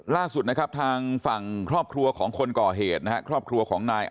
ล่าสุดนะครับทางฝั่งครอบครัวของคนก่อเหตุนะครับครอบครัวของนาย